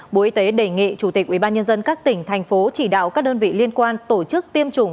bộ y tế đề nghị chủ tịch ubnd các tỉnh thành phố chỉ đạo các đơn vị liên quan tổ chức tiêm chủng